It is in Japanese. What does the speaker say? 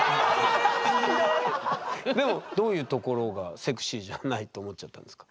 どういうところが「セクシーじゃない」と思っちゃったんですか？